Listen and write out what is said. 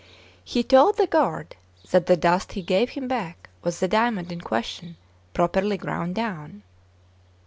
He told the guard that the dust he gave him back was the diamond in question properly ground down.